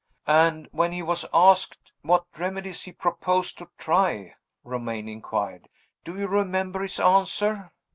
"And when he was asked what remedies he proposed to try," Romayne inquired, "do you remember his answer?